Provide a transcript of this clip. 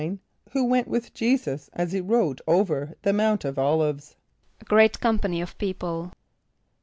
= Who went with J[=e]´[s+]us as he rode over the Mount of [)O]l´[)i]ve[s+]? =A great company of people.